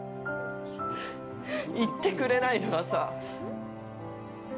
言ってくれないとさ。